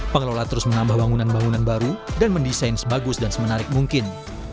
pengelola terus menambah bangunan bangunan baru dan mendesain sebagus dan semenarik mungkin